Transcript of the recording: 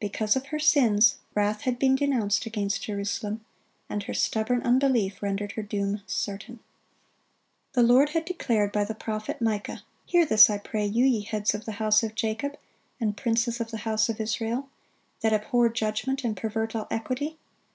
(33) Because of her sins, wrath had been denounced against Jerusalem, and her stubborn unbelief rendered her doom certain. The Lord had declared by the prophet Micah: "Hear this, I pray you, ye heads of the house of Jacob, and princes of the house of Israel, that abhor judgment, and pervert all equity.